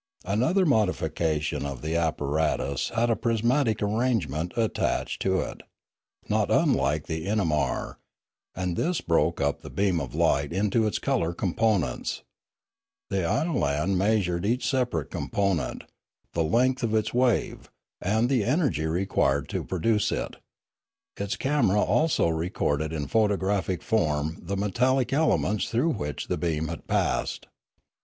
Another modification of the apparatus had a prismatic arrangement attached to 280 Limanora it, not unlike their inamar, and this broke up the beam of light into its colour components; the inolan measured each separate component, the length of its wave, and the energy required to produce it, its camera also re cording in photographic form the metallic elements through which the beam had passed.